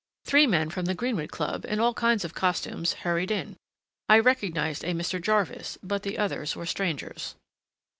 Three men from the Greenwood Club, in all kinds of costumes, hurried in. I recognized a Mr. Jarvis, but the others were strangers.